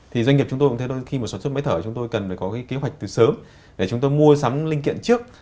thì doanh nghiệp chúng tôi cũng thế khi mà sản xuất máy thở chúng tôi cần phải có cái kế hoạch từ sớm để chúng tôi mua sắm linh kiện trước